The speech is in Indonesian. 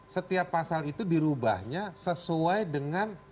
setiap pasal itu dirubahnya sesuai dengan